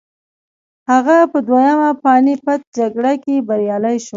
هغه په دویمه پاني پت جګړه کې بریالی شو.